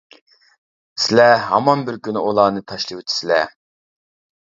سىلەر ھامان بىر كۈنى ئۇلارنى تاشلىۋېتىسىلەر!